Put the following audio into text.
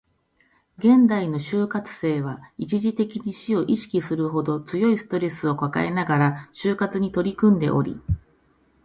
現代の就活生は、一時的に死を意識するほど強いストレスを抱えながら就活に取り組んでおり